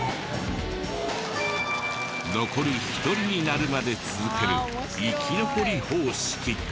残り１人になるまで続ける生き残り方式。